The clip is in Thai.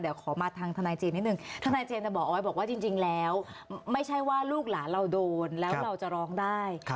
เดี๋ยวขอมาทางทนายเจมสนิดนึงทนายเจมสจะบอกเอาไว้บอกว่าจริงแล้วไม่ใช่ว่าลูกหลานเราโดนแล้วเราจะร้องได้